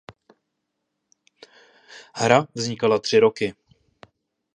Hra vznikala tři roky.